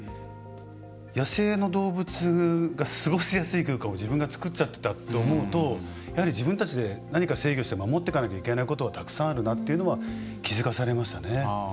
野生の動物が過ごしやすい空間を自分が作っちゃってたと思うとやはり、自分たちで制御して守っていかなきゃいけないものがたくさんあるなっていうのは気付かされました。